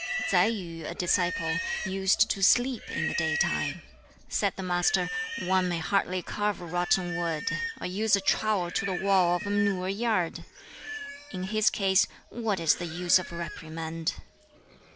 Tsai Yu, a disciple, used to sleep in the daytime. Said the Master, "One may hardly carve rotten wood, or use a trowel to the wall of a manure yard! In his case, what is the use of reprimand?